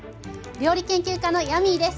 料理研究家のヤミーです。